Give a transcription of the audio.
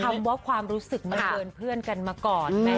คำว่าความรู้สึกมันเกินเพื่อนกันมาก่อน